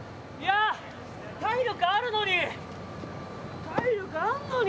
体力あるのに、体力あんのに。